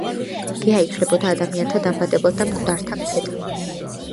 გეა ითვლებოდა ადამიანთა დამბადებლად და მკვდართა მეფედ.